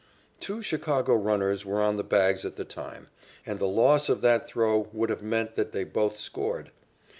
Two Chicago runners were on the bags at the time and the loss of that throw would have meant that they both scored.